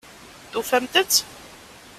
Tufamt-t?